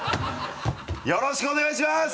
よろしくお願いします！